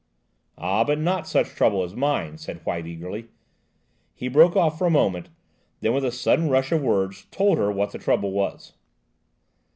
"Ah, but not such trouble as mine," said White eagerly. He broke off for a moment, then, with a sudden rush of words, told her what that trouble was.